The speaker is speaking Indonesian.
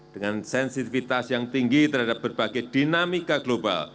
dengan sensitivitas yang tinggi terhadap berbagai dinamika global